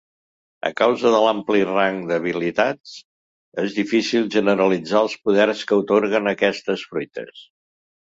A causa de l'ampli rang d'habilitats, és difícil generalitzar els poders que atorguen aquestes fruites.